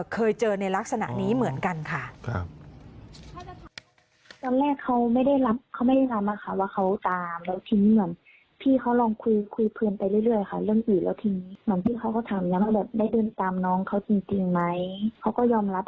เคยเจอในลักษณะนี้เหมือนกันค่ะค่ะอ๋อครับ